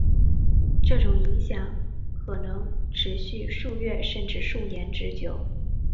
这种影响可能持续数月甚至数年之久。